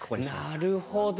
なるほど。